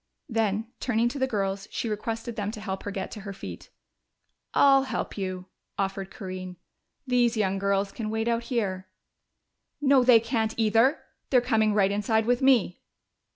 Then, turning to the girls, she requested them to help her get to her feet. "I'll help you," offered Corinne. "These young girls can wait out here." "No, they can't, either! They're coming right inside with me!"